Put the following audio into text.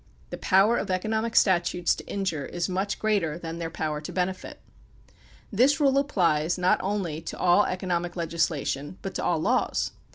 The power of economic THE PUBLIC OPINION BILL 25 statutes to injure is much greater than their power to benefit. This rule applies not only to all economic legislation but to all laws.